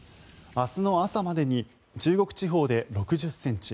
明日の朝までに中国地方で６０ｃｍ